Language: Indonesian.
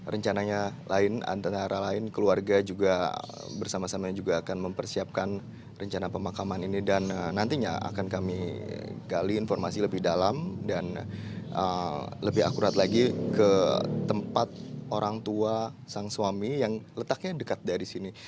rencananya lain antara lain keluarga juga bersama sama juga akan mempersiapkan rencana pemakaman ini dan nantinya akan kami gali informasi lebih dalam dan lebih akurat lagi ke tempat orang tua sang suami yang letaknya dekat dari sini